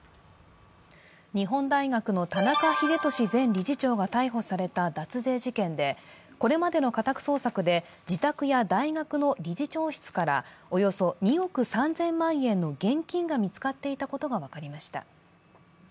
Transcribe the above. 日本大学の田中英寿前理事長が逮捕された脱税事件でこれまでの家宅捜索で自宅や大学の理事長室からおよそ２億３０００万円の現金が見つかっていたことが分かりました。